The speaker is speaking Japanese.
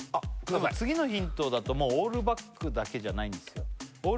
でも次のヒントだともうオールバックだけじゃないんですよ